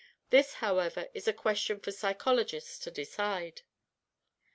This, however, is a question for psychologists to decide.